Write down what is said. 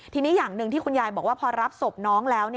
ทีนี้อย่างหนึ่งที่คุณยายบอกว่าพอรับศพน้องแล้ว